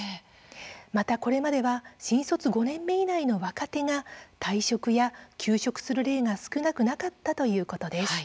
またこれまでは新卒５年目以内の若手が退職や休職する例が少なくなかったということです。